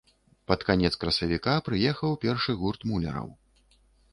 Пад канец красавіка прыехаў першы гурт муляраў.